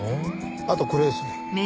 あとこれですね。